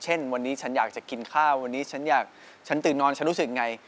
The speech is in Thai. เช่นวันนี้ฉันอยากจะกินข้าววันนี้ฉันอยากฉันตื่นนอนฉันรู้สึกไง